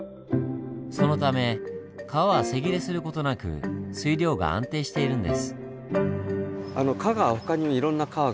そのため川は瀬切れする事なく水量が安定しているんです。